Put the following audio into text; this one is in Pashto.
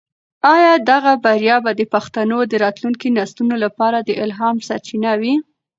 آیا دغه بریا به د پښتنو د راتلونکي نسلونو لپاره د الهام سرچینه وي؟